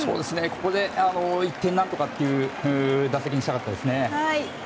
ここで１点何とかという打席にしたかったですね。